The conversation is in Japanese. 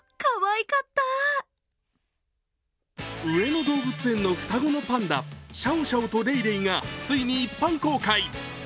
上野動物園の双子のパンダ、シャオシャオとレイレイがついに一般公開。